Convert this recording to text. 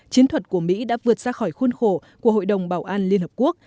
chiến thuật của mỹ đã vượt ra khỏi khuôn khổ của hội đồng bảo an liên hợp quốc